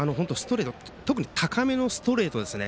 特に高めのストレートですね。